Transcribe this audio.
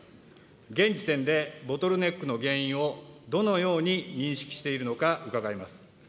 現時点でボトルネックの原因をどのように認識しているのか、伺います。